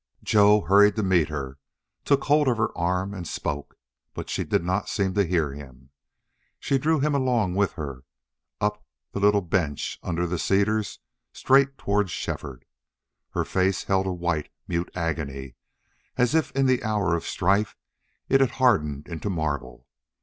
Joe hurried to meet her, took hold of her arm and spoke, but she did not seem to hear him. She drew him along with her, up the little bench under the cedars straight toward Shefford. Her face held a white, mute agony, as if in the hour of strife it had hardened into marble.